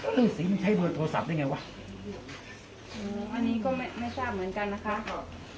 ซึ่งสีมันใช้เบอร์โทรศัพท์ได้ไงวะอันนี้ก็ไม่ไม่ทราบเหมือนกันนะคะ